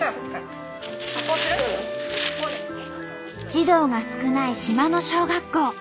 児童が少ない島の小学校。